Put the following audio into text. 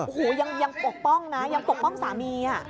โอ้โหยังปกป้องนะยังปกป้องสามี